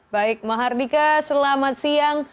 baik mahardika selamat siang